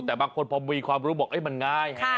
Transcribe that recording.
แต่บางคนพอมีความรู้บอกมันง่าย